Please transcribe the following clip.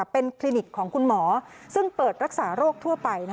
เป็นคลินิกของคุณหมอซึ่งเปิดรักษาโรคทั่วไป